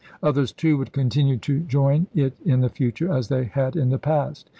Others, too, would continue to join it in the future, as they had in the past.